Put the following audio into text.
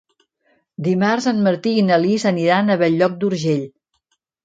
Dimarts en Martí i na Lis aniran a Bell-lloc d'Urgell.